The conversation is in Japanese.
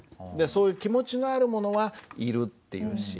そういう気持ちがあるものは「いる」って言うし。